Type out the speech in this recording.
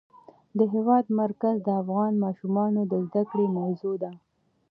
د هېواد مرکز د افغان ماشومانو د زده کړې موضوع ده.